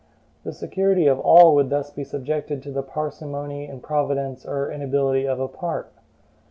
The security of all would thus be subjected to the parsimony, improvidence, or inability of a part.